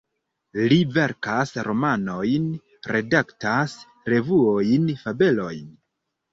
Li verkas romanojn, redaktas revuojn, fabelojn.